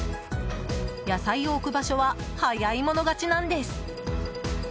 野菜を置く場所は早い者勝ちなんです。